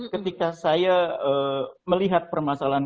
ketika saya melihat permasalahan